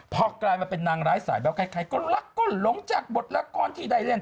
พอกลายมาเป็นนางร้ายสายแววใครก็รักก็หลงจากบทละครที่ได้เล่น